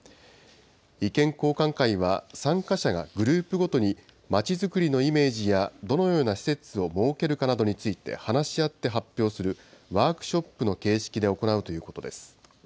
意見交換会は参加者がグループごとにまちづくりのイメージやどのような施設を設けるかなどについて、話し合って発表するワークショップの形式で行うということです。